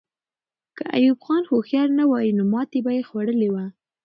که ایوب خان هوښیار نه وای، نو ماتې به یې خوړلې وه.